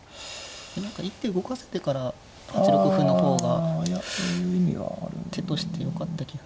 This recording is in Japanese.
何か一手動かせてから８六歩の方が手としてよかった気が。